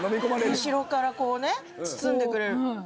後ろからこうね包んでくれる。